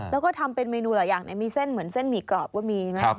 แล้วก็ทำเป็นเมนูหลายอย่างมีเส้นเหมือนเส้นหมี่กรอบก็มีไหม